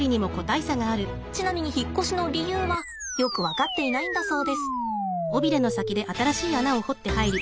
ちなみに引っ越しの理由はよく分かっていないんだそうです。